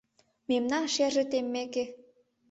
Мемнан шерже теммеке